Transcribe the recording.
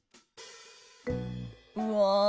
うわ。